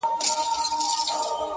زه زما او ستا و دښمنانو ته,